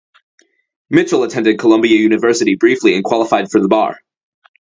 Mitchell attended Columbia University briefly and qualified for the bar.